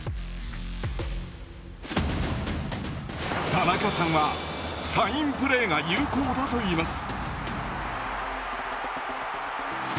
田中さんはサインプレーが有効だといいます。